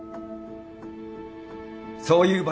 そういう場所です